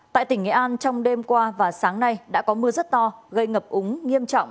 tại tỉnh nghệ an trong đêm qua và sáng nay đã có mưa rất to gây ngập úng nghiêm trọng